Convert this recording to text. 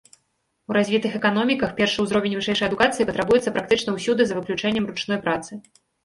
У развітых эканоміках першы ўзровень вышэйшай адукацыі патрабуецца практычна ўсюды за выключэннем ручной працы.